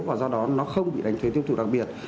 và do đó nó không bị đánh thuế tiêu thụ đặc biệt